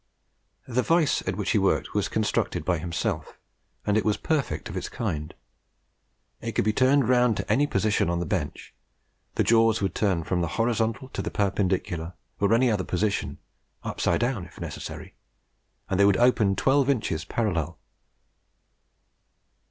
The vice at which he worked was constructed by himself, and it was perfect of its kind. It could be turned round to any position on the bench; the jaws would turn from the horizontal to the perpendicular or any other position upside down if necessary and they would open twelve inches parallel.